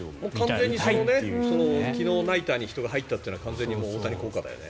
完全に昨日ナイターに人が入ったというのは完全に大谷効果だよね。